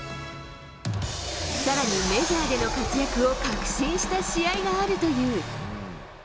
さらに、メジャーでの活躍を確信した試合があるという。